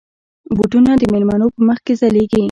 بوټونه د مېلمنو په مخ کې ځلېږي.